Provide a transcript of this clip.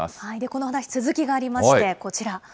この話、続きがありまして、こちら。